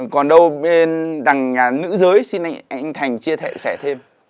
còn đâu bên nhà nữ giới xin anh thành chia sẻ thêm